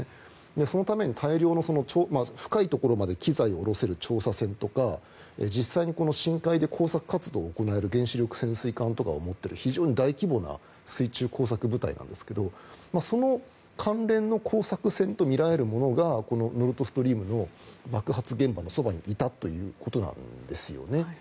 そのために大量の深いところまで機材を下ろせる調査船とか実際に深海で工作活動を行える原子力潜水艦を持っている非常に大規模な水中工作部隊なんですがその関連の工作船とみられるものがノルド・ストリームの爆発現場のそばにいたということなんですよね。